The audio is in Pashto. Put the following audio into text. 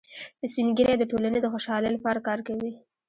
سپین ږیری د ټولنې د خوشحالۍ لپاره کار کوي